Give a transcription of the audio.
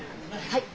はい。